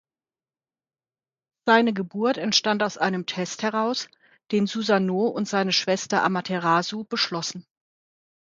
Seine Geburt entstand aus einem Test heraus, den Susanoo und seine Schwester Amaterasu beschlossen.